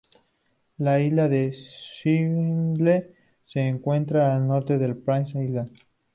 La isla Swindle se encuentra al norte de Price Island.